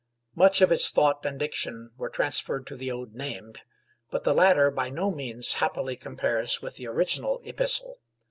Much of its thought and diction were transferred to the Ode named; but the latter by no means happily compares with the original 'Epistle.'